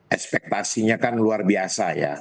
ekspektasinya kan luar biasa ya